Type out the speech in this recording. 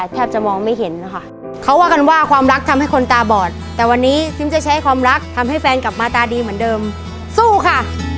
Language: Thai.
แต่วันนี้ซิมจะใช้ความรักทำให้แฟนกลับมาตาดีเหมือนเดิมสู้ค่ะ